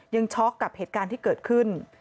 ช็อกกับเหตุการณ์ที่เกิดขึ้น